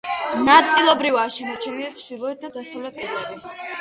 ნაწილობრივაა შემორჩენილი ჩრდილოეთ და დასავლეთ კედლები.